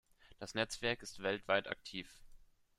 Das Netzwerk ist weltweit aktiv.